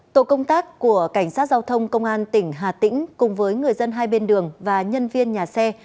tổ công tác của cảnh sát giao thông công an tỉnh hà tĩnh cùng với người dân hai bên đường và nhân viên nhà xe